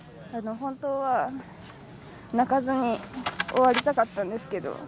本当は、泣かずに終わりたかったんですけど。